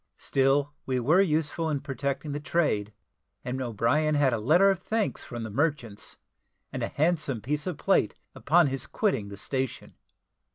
Still we were useful in protecting the trade, and O'Brien had a letter of thanks from the merchants, and a handsome piece of plate upon his quitting the station.